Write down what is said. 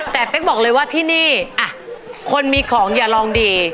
แต่เป๊กบอกเลยว่าที่นี่คนมีของอย่าลองดี